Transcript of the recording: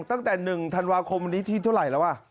ตั้งแต่๑ธันวาคมวันนี้ที่เท่าไหร่แล้ว